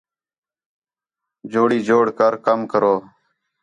جوڑی جوڑ کر کم کرو